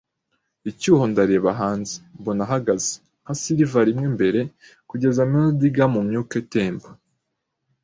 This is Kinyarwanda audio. icyuho ndareba hanze, mbona ahagaze, nka silver rimwe mbere, kugeza midleg mu myuka itemba.